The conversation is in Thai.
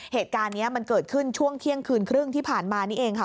เหตุการณ์นี้มันเกิดขึ้นช่วงเที่ยงคืนครึ่งที่ผ่านมานี่เองค่ะ